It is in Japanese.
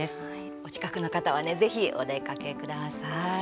お近くの方はねぜひお出かけください。